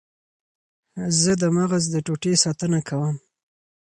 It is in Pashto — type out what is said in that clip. زه د مغز د ټوټې ساتنه وینم.